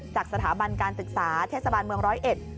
จากสถาบันการศึกษาเทศบาลเมืองร้อยเอ็ด